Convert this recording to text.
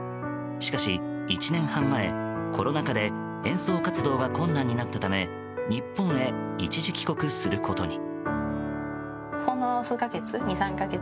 しかし１年半前、コロナ禍で演奏活動が困難になったため日本へ一時帰国することに。